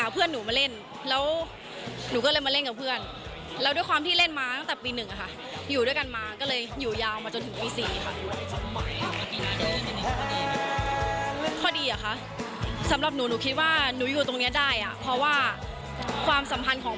เป็นคนเดียวที่ฉันแพทย์ทาง